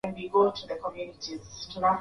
Chanzo cha habari hii ni gazeti la Kenya